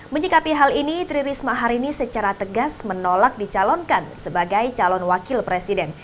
menyikapi hal ini tri risma hari ini secara tegas menolak dicalonkan sebagai calon wakil presiden